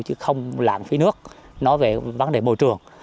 chứ không lạng phí nước nói về vấn đề môi trường